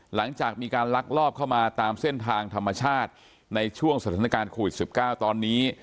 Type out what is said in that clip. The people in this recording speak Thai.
หลังจากมีการลักลอบเข้ามาตามเส้นทางธรรมชาติในช่วงสถานการณ์โควิด๑๙ตอนนี้